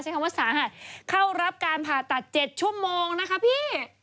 คำว่าสาหัสเข้ารับการผ่าตัด๗ชั่วโมงนะคะพี่